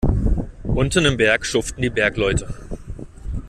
Unten im Berg schuften die Bergleute.